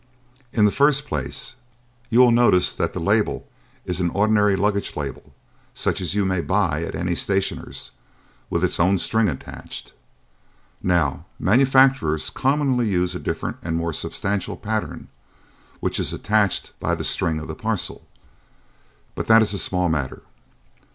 In the first place, you will notice that the label is an ordinary luggage label such as you may buy at any stationer's, with its own string attached. Now, manufacturers commonly use a different and more substantial pattern, which is attached by the string of the parcel. But that is a small matter.